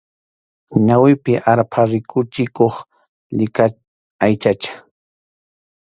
Ñawipi arpha rikuchikuq llika aychacha.